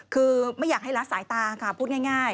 คือไม่อยากให้ละสายตาค่ะพูดง่าย